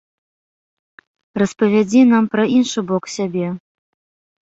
Распавядзі нам пра іншы бок сябе.